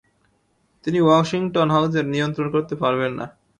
তিনি Washington House এর নিয়ন্ত্রণ করতে পারবেন না।